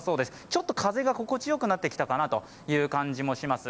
ちょっと風が心地よくなってきたかなという感じもします。